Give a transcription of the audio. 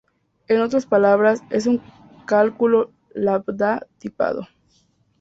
En otras palabras, es un cálculo lambda tipado.